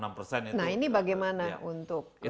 nah ini bagaimana untuk